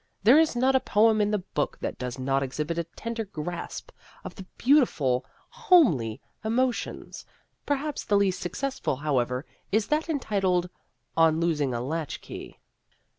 There is not a poem in the book that does not exhibit a tender grasp of the beautiful homely emotions. Perhaps the least successful, however, is that entitled "On Losing a Latchkey."